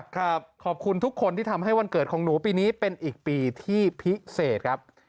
ขอบคุณทุกคนที่ทำให้วันเกิดของหนูปีนี้เป็นอีกปีที่พิเศษครับ